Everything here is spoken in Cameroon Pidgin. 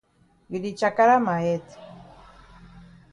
You di chakara ma head.